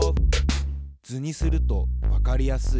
図にするとわかりやすい。